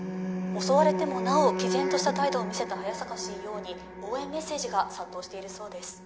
襲われてもなお毅然とした態度を見せた早坂ＣＥＯに応援メッセージが殺到しているそうです